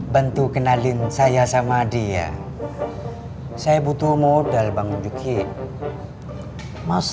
bentuk kenalin saya sama dia saya butuh modal bang juki masa sih bang muhyiddin mengujuduhin selfie sama si kicit